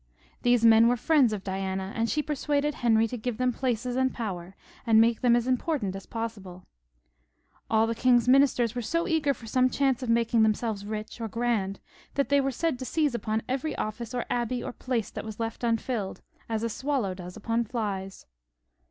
These men were friends of Diana, and she persuaded Henry to give them places and power, and make them as important as possible. All the king's ministers were so eager for some chance of making themselves rich or grand, that they were said to seize upon every office or abbey or place that was left unfilled, as a swallow does upon flies.